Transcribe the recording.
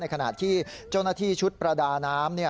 ขณะที่เจ้าหน้าที่ชุดประดาน้ำ